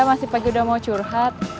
masih pagi udah mau curhat